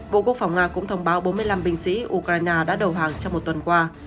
bộ quốc phòng nga cũng thông báo bốn mươi năm binh sĩ ukraine đã đầu hàng trong một tuần qua